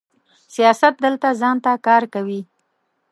سیاست دلته ځان ته کار کوي.